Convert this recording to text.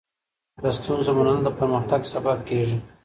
د ستونزو منل د پرمختګ سبب کېږي.